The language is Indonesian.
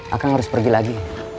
akang harus pergi lagi